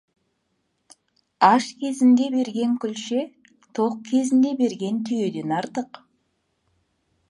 Аш кезінде берген күлше тоқ кезінде берген түйеден артық.